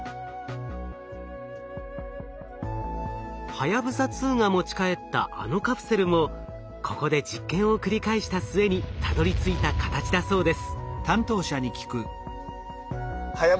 はやぶさ２が持ち帰ったあのカプセルもここで実験を繰り返した末にたどりついた形だそうです。